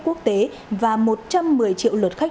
quốc tế và một trăm một mươi triệu lượt khách